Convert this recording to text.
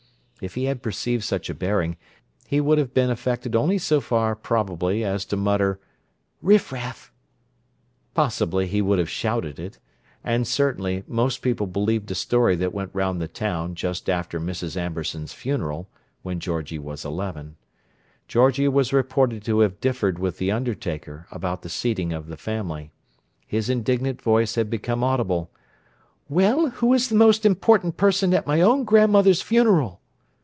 If he had perceived such a bearing, he would have been affected only so far, probably, as to mutter, "Riffraff!" Possibly he would have shouted it; and, certainly, most people believed a story that went round the town just after Mrs. Amberson's funeral, when Georgie was eleven. Georgie was reported to have differed with the undertaker about the seating of the family; his indignant voice had become audible: "Well, who is the most important person at my own grandmother's funeral?"